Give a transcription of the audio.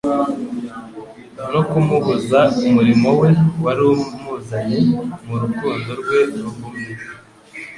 no kumubuza umurimo we wari wamuzanye; mu rukundo rwe ruhumye,